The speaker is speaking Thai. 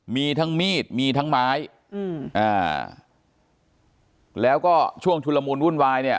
มีทั้งมีดมีทั้งไม้อืมอ่าแล้วก็ช่วงชุลมูลวุ่นวายเนี่ย